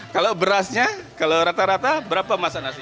kalau berasnya kalau rata rata berapa masak nasi